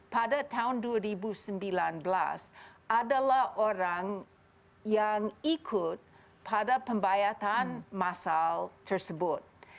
pada tahun dua ribu sembilan belas adalah orang yang ikut pada pembayatan masal tersebut